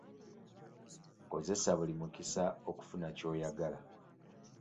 Kozesa buli mukisa okufuna ky'oyagala.